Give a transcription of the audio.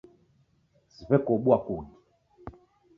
Siw'ekuobua kungi.